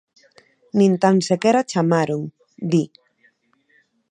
"Nin tan sequera chamaron", di.